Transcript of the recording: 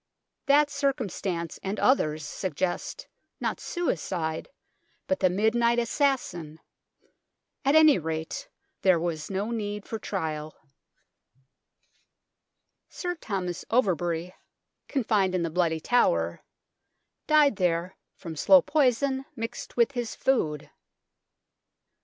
That circumstance and others suggest, not suicide, but the midnight assassin ; at any rate, there was no need for trial. Sir Thomas Overbury, confined in the BLOODY TOWER AND REGALIA 95 Bloody Tower, died there from slow poison, mixed with his food.